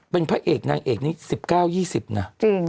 เป็นพระเอกนางเอกนี้๑๙๒๐นะ